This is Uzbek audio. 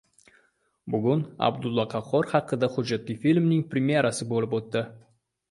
Bugun Abdulla Qahhor haqida hujjatli filmning premyerasi bo‘lib o‘tdi